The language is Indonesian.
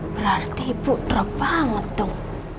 berarti ibu drop banget dong